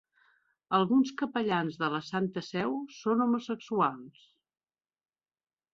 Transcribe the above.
Alguns capellans de la Santa Seu són homosexuals.